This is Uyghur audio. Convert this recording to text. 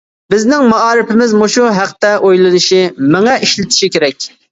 بىزنىڭ مائارىپىمىز مۇشۇ ھەقتە ئويلىنىشى، مېڭە ئىشلىتىشى كېرەك.